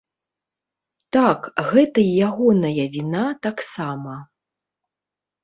Так, гэта і ягоная віна таксама.